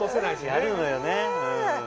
やるのよね。